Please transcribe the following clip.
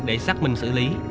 để xác minh xử lý